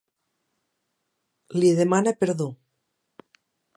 Li demana perdó.